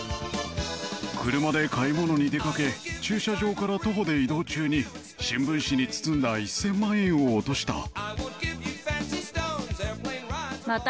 車で買い物に出かけ駐車場から徒歩で移動中に新聞紙に包んだ１０００万円を落とした。